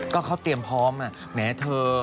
ก็เขาเตรียมพร้อมแหมเธอ